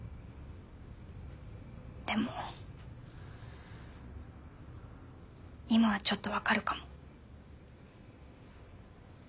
でも今はちょっと分かるかも。